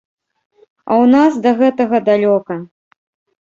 А ў нас да гэтага далёка.